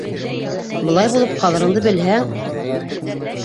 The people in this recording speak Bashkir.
Былай булып ҡалырыңды белһәң...